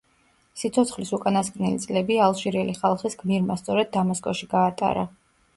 სიცოცხლის უკანასკნელი წლები ალჟირელი ხალხის გმირმა, სწორედ დამასკოში გაატარა.